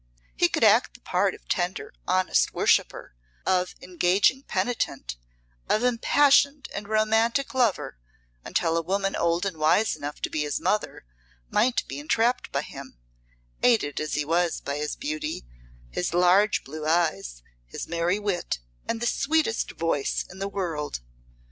He could act the part of tender, honest worshipper, of engaging penitent, of impassioned and romantic lover until a woman old and wise enough to be his mother might be entrapped by him, aided as he was by his beauty, his large blue eyes, his merry wit, and the sweetest voice in the world.